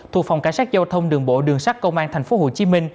thuộc phòng cảnh sát giao thông đường bộ đường sát công an tp hcm